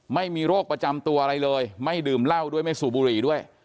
ไม่มีโรคประจำตัวอะไรเลยไม่ดื่มเหล้าด้วยไม่สูบบุหรี่ด้วย